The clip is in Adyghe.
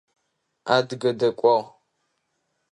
Адыгэ дакӏуагъ.